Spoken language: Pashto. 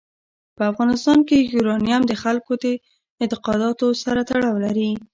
په افغانستان کې یورانیم د خلکو د اعتقاداتو سره تړاو لري.